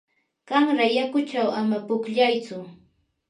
qanra yakuchaw ama pukllaytsu.